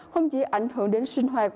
không chỉ ảnh hưởng đến sinh hoạt